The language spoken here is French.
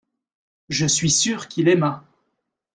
Je suis sûr qu’il aima.